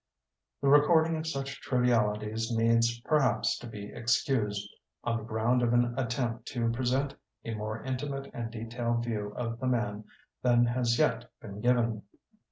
The recording of such trivialities needs, perhaps, to be excused on the ground of an attempt to present a more intimate and detailed view of the man than has yet been given.